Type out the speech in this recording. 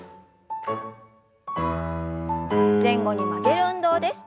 前後に曲げる運動です。